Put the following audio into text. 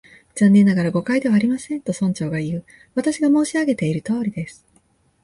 「残念ながら、誤解ではありません」と、村長がいう。「私が申し上げているとおりです」